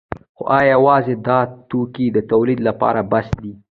خو ایا یوازې دا توکي د تولید لپاره بس دي؟